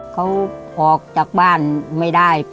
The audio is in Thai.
เขาออกจากบ้านไม่ได้